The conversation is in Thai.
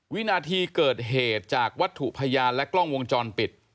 วินาทีเกิดเหตุจากวัตถุพยานและกล้องวงจรปิด